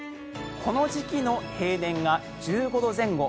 この時期の平年が１５度前後。